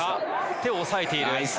手を押さえている。